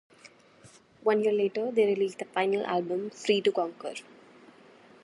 One year later they released their final album, "Free to Conquer".